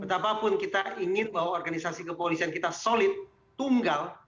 betapapun kita ingin bahwa organisasi kepolisian kita solid tunggal